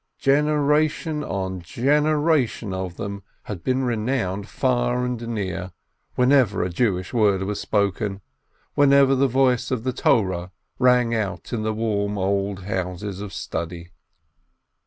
Generation on generation of them had been renowned far and near, wherever a Jewish word was spoken, wherever the voice of the Torah rang out in the warm old houses of study.